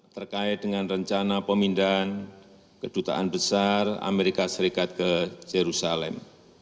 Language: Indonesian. terkait dengan rencana pemindahan kedutaan besar amerika serikat ke jerusalem